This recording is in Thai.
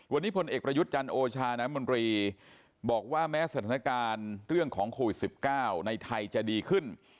วันนี้พลเอกประยุทธ์จันทร์โอชาน้ำมนตรีบอกว่าแม้สถานการณ์เรื่องของโควิด๑๙ในไทยจะดีขึ้น